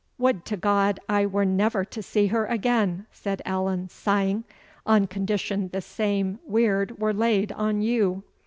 "Would to God I were never to see her again," said Allan, sighing, "On condition the same weird were laid on you!"